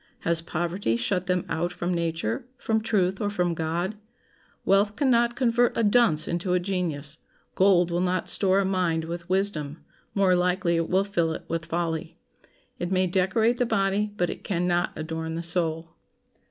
Has poverty shut them out from nature, from truth, or from God? Wealth can not convert a dunce into a genius. Gold will not store a mind with wisdom; more likely it will fill it with folly. It may decorate the body, but it can not adorn the soul.